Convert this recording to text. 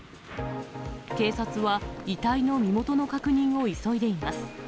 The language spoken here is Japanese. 警察は、遺体の身元の確認を急いでいます。